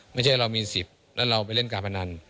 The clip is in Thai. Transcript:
ไม่ใช่ว่าเรามี๑๐แล้วเราไปเริ่มกามนาน